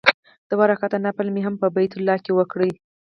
دوه رکعاته نفل مې هم په بیت الله کې وکړ.